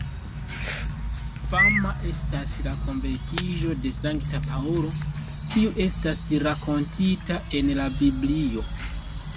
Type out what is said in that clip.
Fama estas la konvertiĝo de Sankta Paŭlo, kiu estas rakontita en la Biblio.